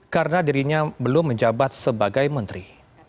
karena dirinya belum menjabat sebagai menteri